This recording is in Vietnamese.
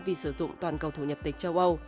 vì sử dụng toàn cầu thủ nhập tịch châu âu